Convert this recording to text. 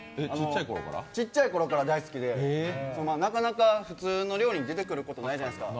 ちっちゃいころから大好きでなかなか普通の料理に出てくることないじゃないですか、